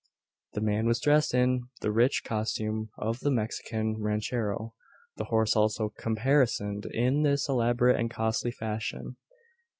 The man was dressed in the rich costume of the Mexican ranchero the horse also caparisoned in this elaborate and costly fashion.